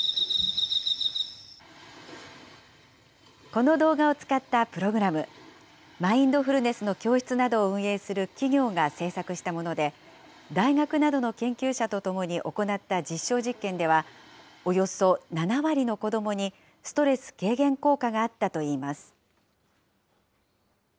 この動画を使ったプログラム、マインドフルネスの教室などを運営する企業が制作したもので、大学などの研究者と共に行った実証実験では、およそ７割の子どもにストレス軽減効果があったといいます。